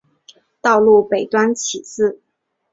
道路北端起自。